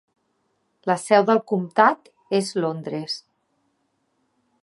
La seu del comtat és Londres.